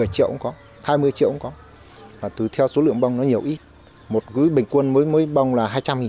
triệu cũng có hai mươi triệu cũng có và từ theo số lượng bông nó nhiều ít một bình quân mỗi mỗi bông là hai trăm linh